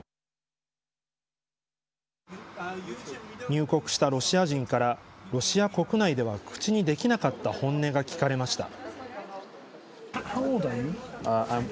入国したロシア人からロシア国内では口にできなかった本音が聞かれました。